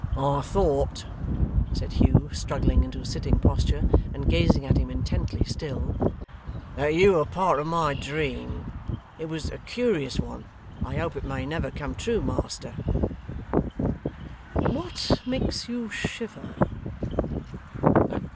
'I thought,' said Hugh, struggling into a sitting posture and gazing at him intently, still, 'that you were a part of my dream. It was a curious one. I hope it may never come true, master.' 'What makes you shiver?